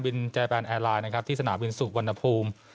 แจนแอร์ไลน์นะครับที่สนามบินสุวรรณภูมิ